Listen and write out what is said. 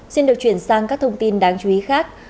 xin được chuyển sang các thông tin đáng chú ý khác